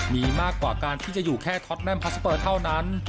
มีมากกว่าการที่จะอยู่แค่ท็อตแมมพาสเปอร์เท่านั้น